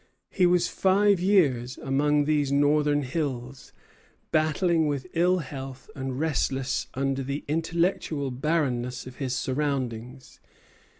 He was five years among these northern hills, battling with ill health, and restless under the intellectual barrenness of his surroundings.